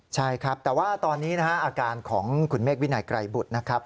ใช่ครับแต่ว่าตอนนี้นะฮะอาการของคุณเมฆวินัยไกรบุตรนะครับ